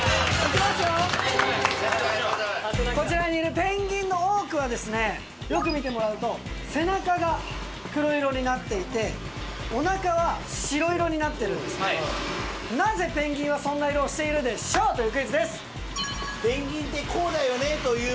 こちらにいるペンギンの多くはですねよく見てもらうと背中が黒色になっていておなかは白色になってるんですけどなぜペンギンはそんな色をしているでしょうというクイズです。